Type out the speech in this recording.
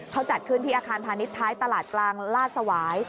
เขาจัดขึ้นที่อาคารพาณิชย์ท้ายตลาดกลางลาดสวาย